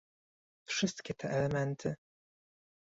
Wszystkie te elementy